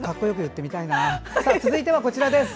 続いては、こちらです。